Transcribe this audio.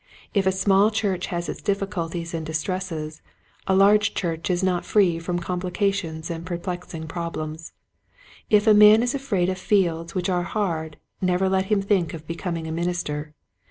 If a small church has its difficulties and distresses, a large church is not free from complications and perplexing problems. If a man is afraid of fields which are hard never let him think of becoming a minister.